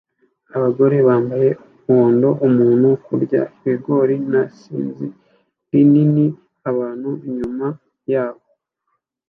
Abagore bambaye umuhondo umuntu kurya ibigori na isinzi rinini abantu inyuma yabo